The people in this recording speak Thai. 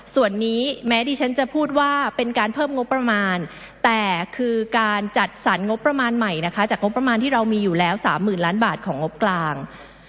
ส่วนนี้แม้ดิฉันจะพูดว่าเป็นการเพิ่มงบประมาณแต่คือการจัดสรรงบประมาณใหม่นะคะจากงบประมาณที่เรามีอยู่แล้ว๓๐๐๐ล้านบาทของงบกลาง